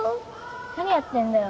何やってんだよ？